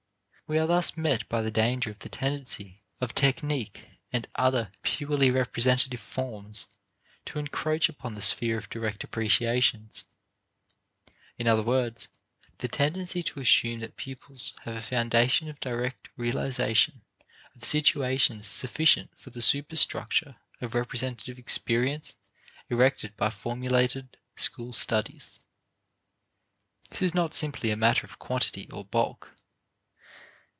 We are thus met by the danger of the tendency of technique and other purely representative forms to encroach upon the sphere of direct appreciations; in other words, the tendency to assume that pupils have a foundation of direct realization of situations sufficient for the superstructure of representative experience erected by formulated school studies. This is not simply a matter of quantity or bulk.